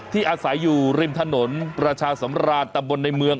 ที่อาศัยอยู่ริมถนนประชาสมราชตะบนในเมือง